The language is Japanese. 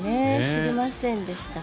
知りませんでした。